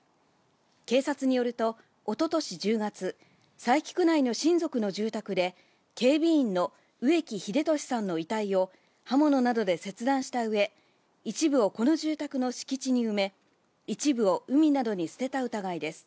警察によると、おととし１０月、佐伯区内の親族の住宅で警備員の植木秀俊さんの遺体を刃物などで切断した上、一部をこの住宅の敷地に埋め、一部を海などに捨てた疑いです。